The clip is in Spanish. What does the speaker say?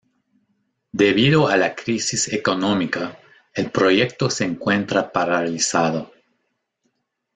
Debido a la crisis económica, el proyecto se encuentra paralizado.